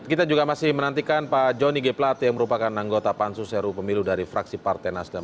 kita juga masih menantikan pak jonny g plate yang merupakan anggota pansus ru pemilu dari fraksi partai nasdem